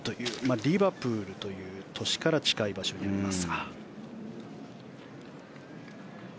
リバプールという都市から近い場所にあります。